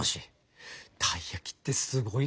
たい焼きってすごいな。